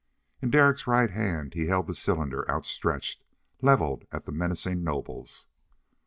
In Derek's right hand he held the cylinder outstretched, leveled at the menacing nobles.